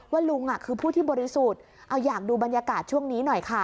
ลุงคือผู้ที่บริสุทธิ์เอาอยากดูบรรยากาศช่วงนี้หน่อยค่ะ